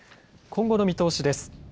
今後の見通しです。